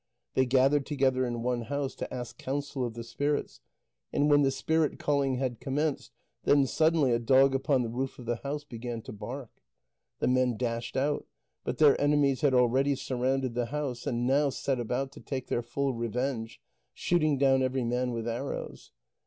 They gathered together in one house to ask counsel of the spirits, and when the spirit calling had commenced, then suddenly a dog upon the roof of the house began to bark. The men dashed out, but their enemies had already surrounded the house, and now set about to take their full revenge, shooting down every man with arrows.